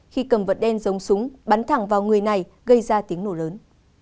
khi cầm vật đen giống súng bắn thẳng vào người này gây ra tiếng nổ lớn